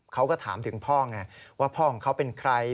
เขาก็ถามถึงพ่อไงว่าพ่อของเขาเป็นใคร